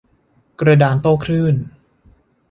กระดานโต้คลื่น